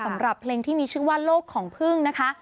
สำหรับเพลงที่มีชื่อว่าโลกของพึ่งนะคะ